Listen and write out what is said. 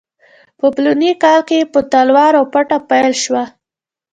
په فلاني کال کې په تلوار او پټه پیل شوه.